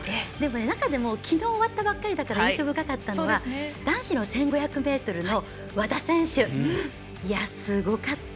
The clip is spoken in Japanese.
中でも昨日終わったばかりで印象深かったのは男子の１５００ｍの和田選手。すごかった。